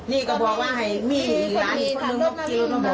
นี่ก็บอกว่ามีร้านอีกค่ะ